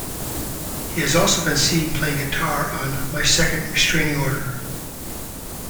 He has also been seen playing guitar on My Second Restraining Order.